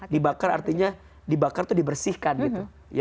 dibakar artinya dibakar itu dibersihkan gitu